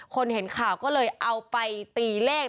เห็นข่าวก็เลยเอาไปตีเลข